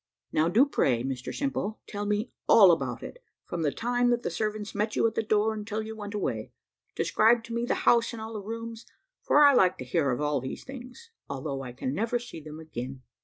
"Now do, pray, Mr Simple, tell me all about it; from the time that the servants met you at the door until you went away. Describe to me the house and all the rooms, for I like to hear of all these things, although I can never see them again."